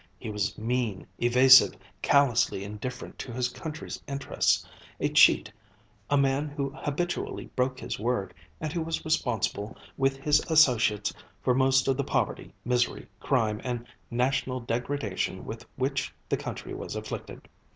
He was mean, evasive, callously indifferent to his country's interests, a cheat, a man who habitually broke his word, and who was responsible, with his associates, for most of the poverty, misery, crime, and national degradation with which the country was afflicted.